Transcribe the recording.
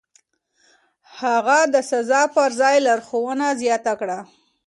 هغه د سزا پر ځای لارښوونه زياته کړه.